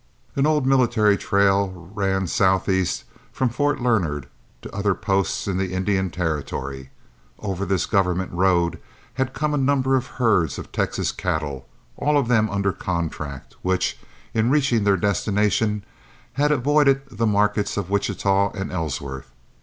An old military trail ran southeast from Fort Larned to other posts in the Indian Territory. Over this government road had come a number of herds of Texas cattle, all of them under contract, which, in reaching their destination, had avoided the markets of Wichita and Ellsworth.